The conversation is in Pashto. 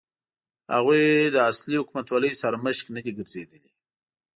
هغوی د اصلي حکومتولۍ سرمشق نه دي ګرځېدلي.